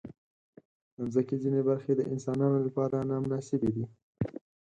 د مځکې ځینې برخې د انسانانو لپاره نامناسبې دي.